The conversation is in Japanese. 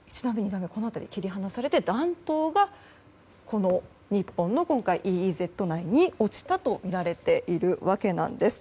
切り離されて弾頭がこの日本の今回、ＥＥＺ内に落ちたとみられているわけなんです。